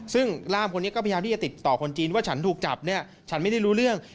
ซึ่งร่ามคนนี้ก็พยายามที่จะติดต่อคนจีนว่าฉันถูกจับเนี่ยฉันไม่ได้รู้เรื่อง